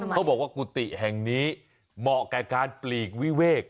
บอกว่ากุฏิแห่งนี้เหมาะแก่การปลีกวิเวก